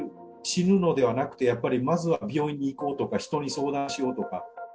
死ぬのではなくて、やっぱりまずは病院に行こうとか、人に相談しようとか。